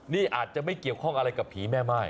นี่อาจจะไม่เกี่ยวข้องอะไรกับผีแม่ม่าย